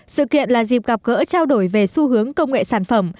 sự kiện là dịp gặp gỡ trao đổi về xu hướng công nghệ sản phẩm